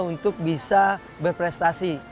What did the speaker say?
untuk bisa berprestasi